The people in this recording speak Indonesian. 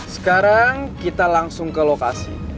sekarang kita langsung ke lokasi